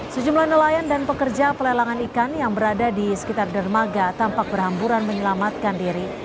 sejumlah nelayan dan pekerja pelelangan ikan yang berada di sekitar dermaga tampak berhamburan menyelamatkan diri